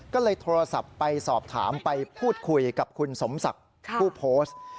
ก็เลยโทรศัพท์ไปสอบถามไปพูดคุยกับคุณสมศักดิ์ผู้โพสต์